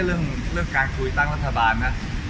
คือไม่ใช่เรื่องการคุยตั้งรัฐบาลนะ